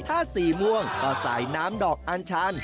ถ้าสีม่วงก็ใส่น้ำดอกอันชัน